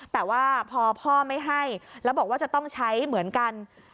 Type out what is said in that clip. แต่ว่าพอพ่อไม่ให้แล้วบอกว่าจะต้องใช้เหมือนกัน